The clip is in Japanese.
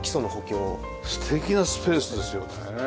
素敵なスペースですよね！